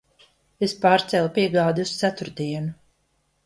Es pārcēlu piegādi uz ceturtdienu.